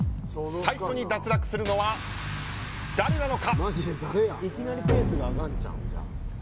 最初に脱落するのは誰なのか。